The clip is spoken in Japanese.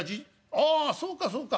ああそうかそうか。